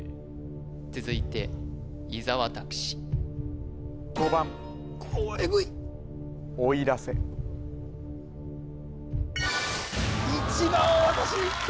続いて伊沢拓司１番を渡しにいった！